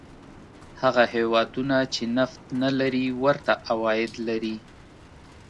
هغه هېوادونه چې نفت نه لري ورته عواید لري.